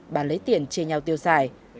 và lấy tiền chê nhau tiêu xài